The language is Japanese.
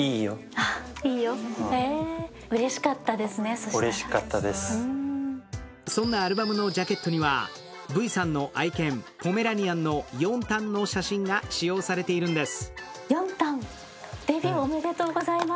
その理由とはそんなアルバムのジャケットにはＶさんの愛犬、ポメラニアンのヨンタンの写真が使用されているんです。